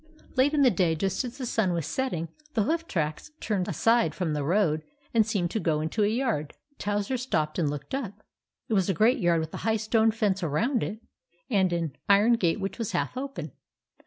Late in the day, just as the sun was set ting, the hoof tracks turned aside from the road and seemed to go into a yard. Towser stopped and looked up. It was a great yard with a high stone fence around it, and an iron gate which was half open.